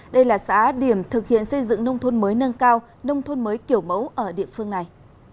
đây là xã điểm thực hiện xây dựng nông thôn mới nâng cao nông thôn mới kiểu mẫu ở địa phương này